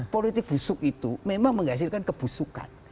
politik busuk itu memang menghasilkan kebusukan